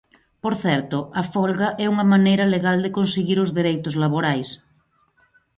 Por certo, a folga é unha maneira legal de conseguir os dereitos laborais.